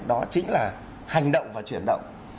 đó chính là hành động và chuyển động